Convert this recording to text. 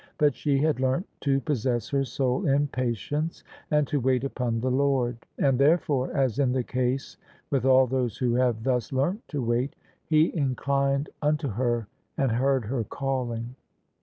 But she had learnt to possess her soul in patience and to wait upon the Lord : and therefore — ^as in the case with all those who have thus learnt to wait — He inclined unto her and heard her calling.